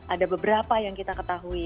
ada beberapa yang kita ketahui